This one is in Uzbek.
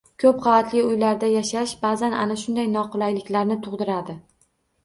Ko`p qavatli uylarda yashash ba`zan ana shunday noqulayliklar tug`diradi